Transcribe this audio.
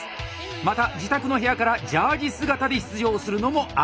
また自宅の部屋からジャージ姿で出場するのもアリ！